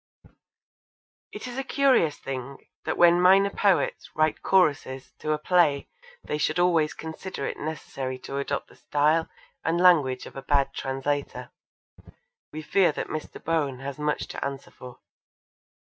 It is a curious thing that when minor poets write choruses to a play they should always consider it necessary to adopt the style and language of a bad translator. We fear that Mr. Bohn has much to answer for.